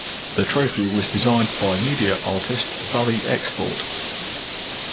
The trophy was designed by media artist Valie Export.